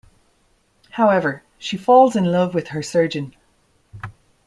However, she falls in love with her surgeon.